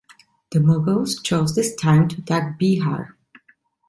The Mughals chose this time to attack Behar.